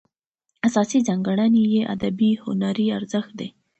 اساسي ځانګړنه یې ادبي هنري ارزښت دی.